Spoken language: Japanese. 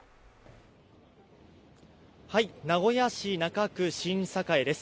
名古屋市中区新栄です。